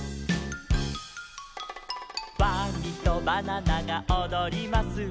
「ワニとバナナがおどります」